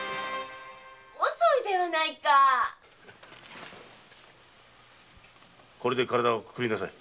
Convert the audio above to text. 遅いではないかこれで体をくくりなさい。